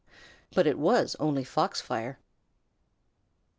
But it was only fox fire.